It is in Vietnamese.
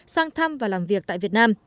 sang thăm và làm việc tại việt nam